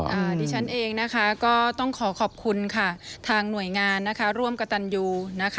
ดิฉันเองก็ต้องขอขอบคุณค่ะทางหน่วยงานร่วมกับตันยู